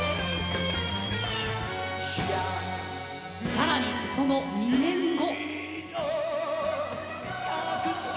さらに、その２年後。